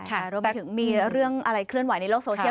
รวมไปถึงมีเรื่องอะไรเคลื่อนไหวในโลกโซเชียล